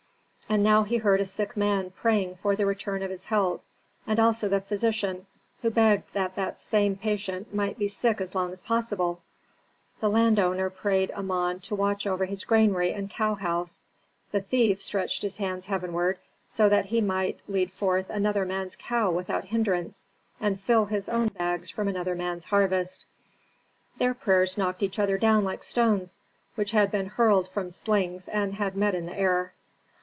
And now he heard a sick man praying for the return of his health, and also the physician, who begged that that same patient might be sick as long as possible. The landowner prayed Amon to watch over his granary and cow house, the thief stretched his hands heavenward so that he might lead forth another man's cow without hindrance, and fill his own bags from another man's harvest. Their prayers knocked each other down like stones which had been hurled from slings and had met in the air.